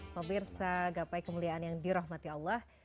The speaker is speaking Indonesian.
pemirsa gapai kemuliaan yang dirahmati allah